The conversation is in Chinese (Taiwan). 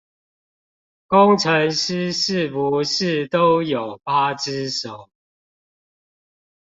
工程師是不是都有八隻手